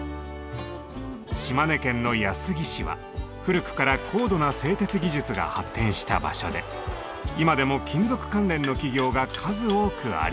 島根県の安来市は古くから高度な製鉄技術が発展した場所で今でも金属関連の企業が数多くあります。